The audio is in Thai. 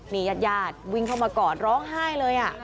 มีญาติวิ่งเข้ามากอดร้องไห้เลย